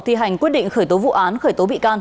thi hành quyết định khởi tố vụ án khởi tố bị can